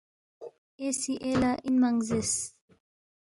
“ اے سی اے لہ اِنمنگ زیرس